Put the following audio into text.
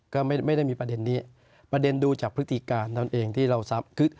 ก็ไม่ได้มีประเด็นนี้ประเด็นดูจากพฤติการตัวเองที่เราสามารถ